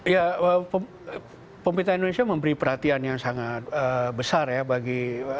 ya pemerintah indonesia memberi perhatian yang sangat besar ya bagi